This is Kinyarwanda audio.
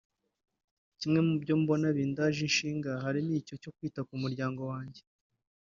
[…]kimwe mu byo mbona bindaje ishinga harimo icyo cyo kwita ku muryango wanjye”